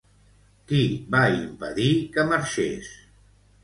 Qui va impedir que marxés?